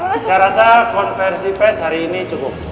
saya rasa konversi pes hari ini cukup